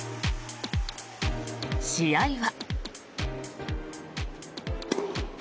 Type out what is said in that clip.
試合は。